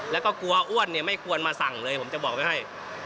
แล้วก็กลัวอ้วนเนี่ยไม่ควรมาสั่งเลยผมจะบอกไว้ให้